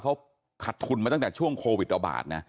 เขาขัดทุนมาตั้งแต่ช่วงโควิดระบาดนะ